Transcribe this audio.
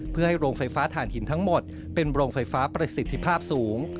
เพื่อให้โรงไฟฟ้าฐานหินทั้งหมดเป็นโรงไฟฟ้าประสิทธิภาพสูง